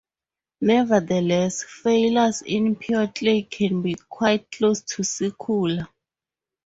Nevertheless, failures in 'pure' clay can be quite close to circular.